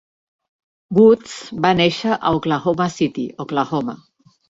Woods va néixer a Oklahoma City, Oklahoma.